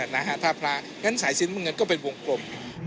ฉะนั้นสายสีน้ำเงินก็เป็นวงกลม